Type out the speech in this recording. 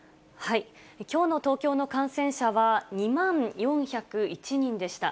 きょうの東京の感染者は２万４０１人でした。